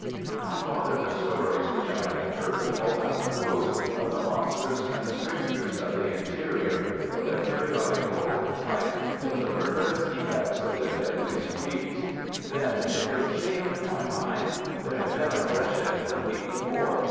I thought of the stories which I had heard all down the coast of the monstrous constrictors of the interior, of their periodical appetite, and of the murderous effects of their deadly squeeze. Then it all took shape in my mind. There had been a freshet the week before.